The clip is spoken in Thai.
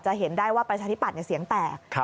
เห็นได้ว่าประชาธิปัตย์เสียงแตก